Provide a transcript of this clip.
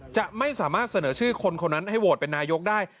จะไม่สามารถเสนอชื่อคนคนนั้นให้โหวตเป็นนายกได้